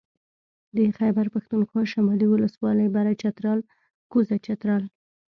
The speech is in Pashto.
د خېبر پښتونخوا شمالي ولسوالۍ بره چترال کوزه چترال